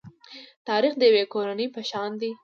تاریخ د یوې کورنۍ په شان دی.